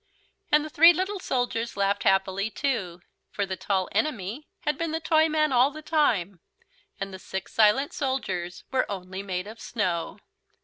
And the three little soldiers laughed happily too. For the Tall Enemy had been the Toyman all the time and the six silent soldiers were only made of snow.